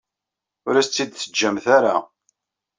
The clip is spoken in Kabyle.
Ur as-tt-id-teǧǧamt ara.